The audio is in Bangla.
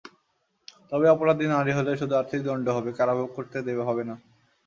তবে অপরাধী নারী হলে শুধু আর্থিক দণ্ড হবে, কারাভোগ করতে হবে না।